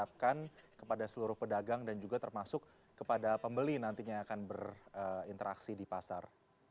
kita akan kepada seluruh pedagang dan juga termasuk kepada pembeli nantinya akan berinteraksi di pasar